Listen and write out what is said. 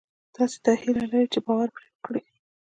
تاسې دا هیله لرئ چې باور پرې وکړئ